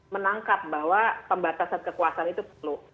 menangkap bahwa pembatasan kekuasaan itu perlu